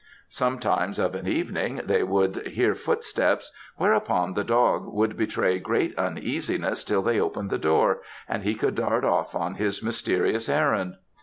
Sometimes of an evening they would hear footsteps, whereon the dog would betray great uneasiness till they opened the door, and he could dart off on his mysterious errand.